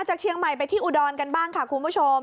จากเชียงใหม่ไปที่อุดรกันบ้างค่ะคุณผู้ชม